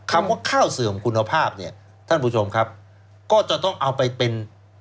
คำว่าข้าวเสื่อมคุณภาพเนี่ยท่านผู้ชมครับก็จะต้องเอาไปเป็น